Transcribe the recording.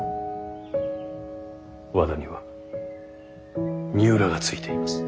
和田には三浦がついています。